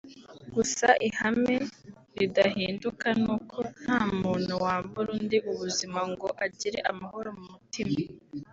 Gusa ihame ridahinduka ni uko nta muntu wambura undi ubuzima ngo agire amahoro mu mutima